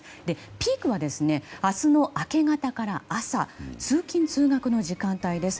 ピークが明日の明け方から朝通勤・通学の時間帯です。